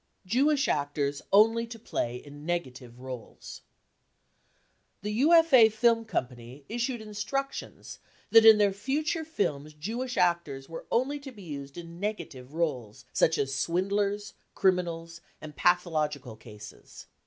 Jewish Actors only to play in negative roles. The UFA Film Company issued instructions that in their future films Jewish actors were only to be used in negative roles, such as swindlers, criminals and pathological cases.